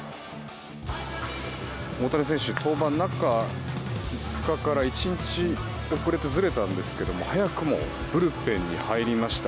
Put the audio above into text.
大谷選手、登板中５日から１日ずれたんですけども早くもブルペンに入りました。